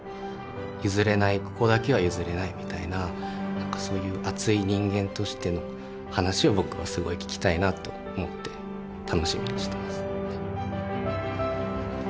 譲れないここだけは譲れないみたいななんかそういう熱い人間としての話を僕はすごい聞きたいなと思って楽しみにしてます。